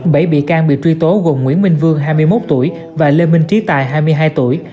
bảy bị can bị truy tố gồm nguyễn minh vương hai mươi một tuổi và lê minh trí tài hai mươi hai tuổi